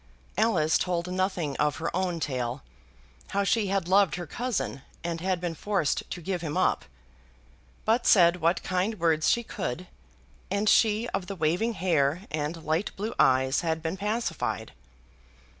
Alice told nothing of her own tale, how she had loved her cousin and had been forced to give him up, but said what kind words she could, and she of the waving hair and light blue eyes had been pacified.